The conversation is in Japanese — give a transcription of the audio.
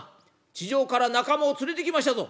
地上から仲間を連れてきましたぞ」。